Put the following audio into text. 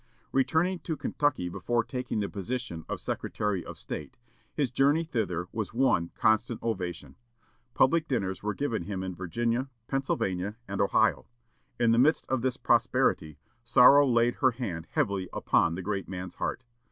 Returning to Kentucky before taking the position of Secretary of State, his journey thither was one constant ovation. Public dinners were given him in Virginia, Pennsylvania, and Ohio. In the midst of this prosperity, sorrow laid her hand heavily upon the great man's heart.